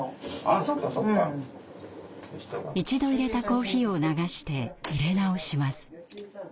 一度入れたコーヒーを流して入れ直します。